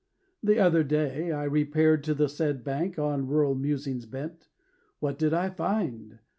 The other day I repaired to the said bank On rural musings bent. What did I find?